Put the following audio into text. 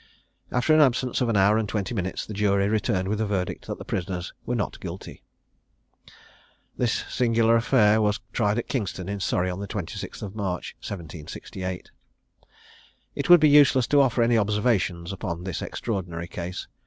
After an absence of an hour and twenty minutes, the jury returned with a verdict that the prisoners were not guilty. This singular affair was tried at Kingston, in Surrey, on the 26th of March, 1768. It would be useless to offer any observations upon this extraordinary case.